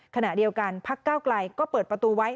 ขณะเดียวกันพักเก้าไกลก็เปิดประตูไว้